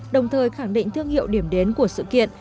đồng thời khẳng định thương hiệu điểm đến của sự kiện